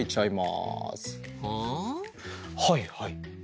はいはい。